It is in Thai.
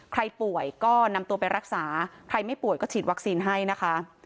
ใครป่วยก็นำตัวไปรักษาใครไม่ป่วยก็ฉีดวัคซีนให้นะคะ